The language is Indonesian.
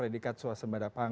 tiket perbedaan pendapat orang